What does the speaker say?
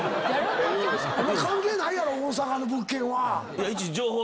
関係ないやろ大阪の物件は。